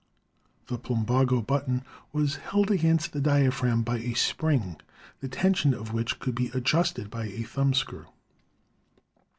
The plumbago button was held against the diaphragm by a spring, the tension of which could be adjusted by a thumbscrew.